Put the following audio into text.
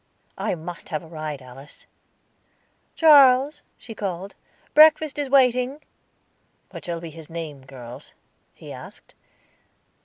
"I must have a ride, Alice." "Charles," she called. "Breakfast is waiting." "What shall be his name, girls?" he asked.